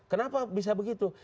kenapa bisa begitu